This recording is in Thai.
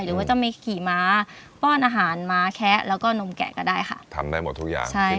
หรือว่าจะมีขี่ม้าป้อนอาหารม้าแคะแล้วก็นมแกะก็ได้ค่ะทำได้หมดทุกอย่างใช่